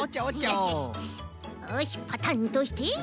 よしパタンとして。